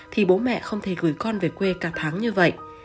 thì bố mẹ không thể gửi con về quê cả tháng như vậy